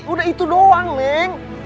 udah itu doang neng